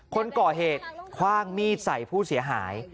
คนก่อเหตุคว่างมีดใส่ผู้เสียหาย